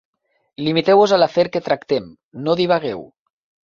Limiteu-vos a l'afer que tractem: no divagueu.